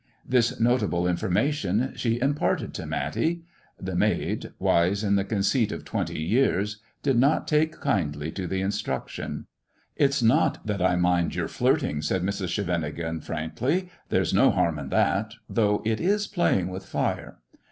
This notable information she imparted to Matty. The maid, wise in the conceit of twenty years, did not take kindly to the instruction. " It's not that I mind your flirting," said Mrs. Scheven MISS JONATHAN 169 ingen, frankly; "there's no harm in that, though it is playing with fire.